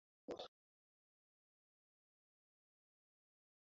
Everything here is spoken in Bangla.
পুলিশকে মানুষ ভাবলেই তাদের দোষ-গুণ সবকিছু আমরা মানবীয় আঙ্গিকে বিচার-বিবেচনা করতে পারব।